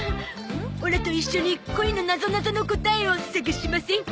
オラと一緒に恋のなぞなぞの答えを探しませんか？